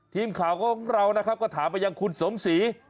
ทีมข่าวของเรานะครับก็ถามไปยังคุณสมศรี